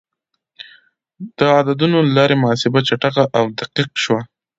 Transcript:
د عددونو له لارې محاسبه چټکه او دقیق شوه.